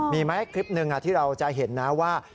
มีไหมคลิปหนึ่งที่เราจะเห็นนะว่า